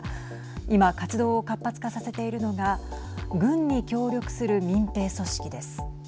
今、活動を活発化させているのが軍に協力する民兵組織です。